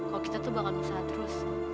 kalo kita tuh bakal bisa terus